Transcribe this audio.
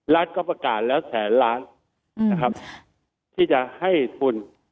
รัฐก็ประกาศแล้วแสนล้านนะครับที่จะให้ทุน